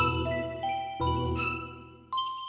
ada bantuan lebih